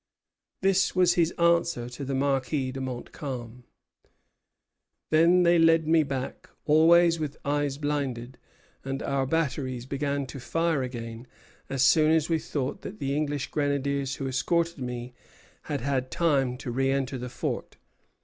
This was his answer to the Marquis de Montcalm. Then they led me back, always with eyes blinded; and our batteries began to fire again as soon as we thought that the English grenadiers who escorted me had had time to re enter the fort.